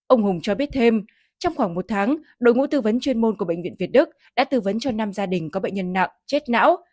ông hùng cho biết thêm trong khoảng một tháng đội ngũ tư vấn chuyên môn của bệnh viện việt đức đã tư vấn cho năm gia đình có bệnh nhân nặng chết não